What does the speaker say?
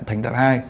thành đạc hai